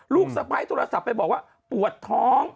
สะพ้ายโทรศัพท์ไปบอกว่าปวดท้อง